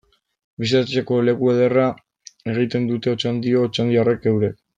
Bisitatzeko leku ederra egiten dute Otxandio otxandiarrek eurek.